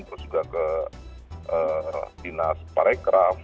terus juga ke dinas parekraf